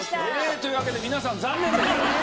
というわけで皆さん残念。